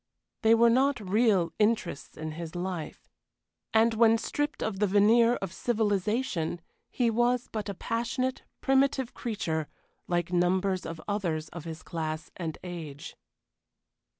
They were not real interests in his life. And when stripped of the veneer of civilization he was but a passionate, primitive creature, like numbers of others of his class and age.